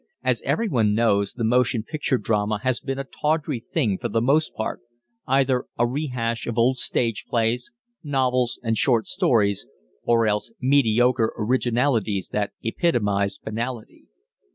As everyone knows, the motion picture drama has been a tawdry thing for the most part either a rehash of old stage plays, novels, and short stories, or else mediocre "originalities" that epitomized banality.